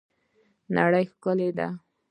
نړۍ ښکلې ده